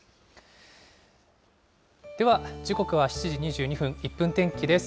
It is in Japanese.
では時刻は７時２２分、１分天気です。